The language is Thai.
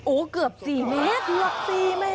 โอ้เกือบสี่เมตร